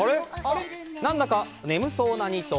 何だか眠そうな２頭。